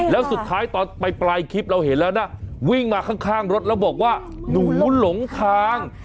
แล้วสุดท้ายตอนไปปลายคลิปเราเห็นแล้วนะวิ่งมาข้างรถแล้วบอกว่าหนูหลงทาง